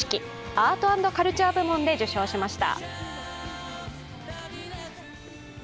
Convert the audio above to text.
アート＆カルチャー部門で受賞しました。